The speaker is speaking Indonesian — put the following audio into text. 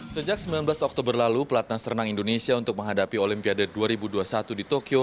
sejak sembilan belas oktober lalu pelatnas renang indonesia untuk menghadapi olimpiade dua ribu dua puluh satu di tokyo